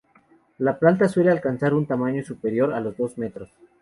La planta suele alcanzar un tamaño superior a los dos metros.